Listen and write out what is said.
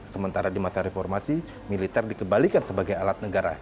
sementara di masa reformasi militer dikembalikan sebagai alat negara